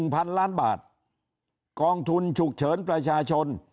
พันล้านบาทกองทุนฉุกเฉินประชาชน